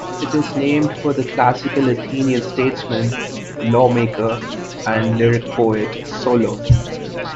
It is named for the classical Athenian statesman, lawmaker, and lyric poet Solon.